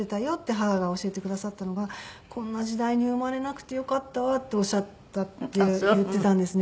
母が教えてくださったのが「こんな時代に生まれなくてよかったわ」っておっしゃったって言っていたんですね。